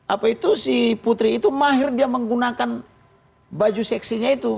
apa itu si putri itu mahir dia menggunakan baju seksinya itu